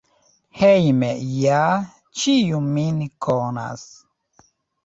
Hejme ja ĉiu min konas.